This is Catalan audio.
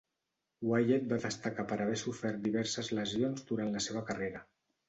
Wyatt va destacar per haver sofert diverses lesions durant la seva carrera.